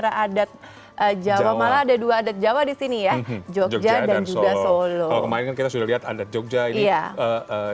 adat jawa malah ada dua adat jawa di sini ya jogja dan juga solo